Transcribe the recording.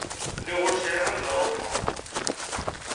Lliɣ ur sɛiɣ anda ara ruḥeɣ.